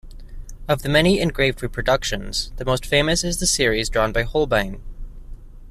Of the many engraved reproductions, the most famous is the series drawn by Holbein.